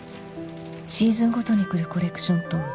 「シーズンごとにくるコレクションと」